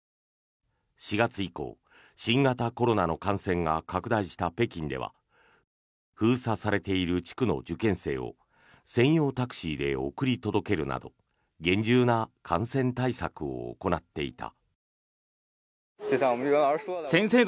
４月以降、新型コロナの感染が拡大した北京では封鎖されている地区の受験生を専用タクシーで送り届けるなど厳重な感染対策を行っていた。